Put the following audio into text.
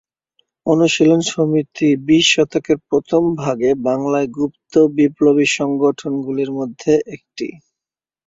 অনুশীলন সমিতি বিশ শতকের প্রথমভাগে বাংলায় গুপ্ত বিপ্লবী সংগঠনগুলির মধ্যে একটি।